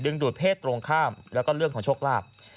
ดูดเพศตรงข้ามแล้วก็เรื่องของโชคลาภ